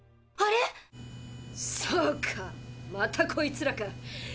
あれっ⁉そうかまたこいつらか。